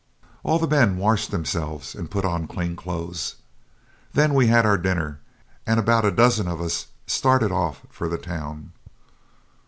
All the men washed themselves and put on clean clothes. Then we had our dinner and about a dozen of us started off for the town.